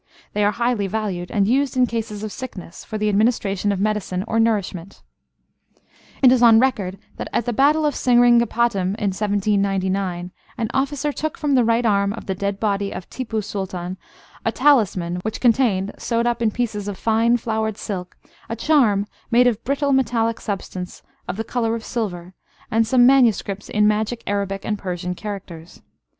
They are highly valued, and used in cases of sickness for the administration of medicine or nourishment. It is on record that, at the battle of Seringapatam in 1799, an officer took from off the right arm of the dead body of Tipu Sultan a talisman, which contained sewed up in pieces of fine flowered silk a charm made of a brittle metallic substance of the colour of silver, and some manuscripts in magic Arabic and Persian characters.